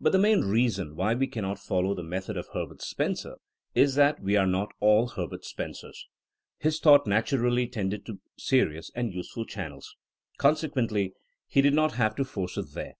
But the main reason why we cannot follow the method of Herbert Spencer is that we are not all Herbert Spencers. His thought naturally tended to serious and useful channels. Conse quently he did not have to force it there.